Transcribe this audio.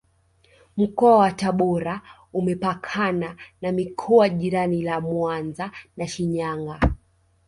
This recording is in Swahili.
Mkoa wa tabora Umepakana na mikoa jirani ya Mwanza na Shinyanga